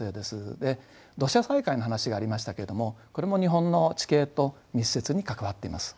で土砂災害の話がありましたけどもこれも日本の地形と密接に関わっています。